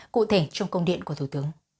cụ thể trong công điện của thủ tướng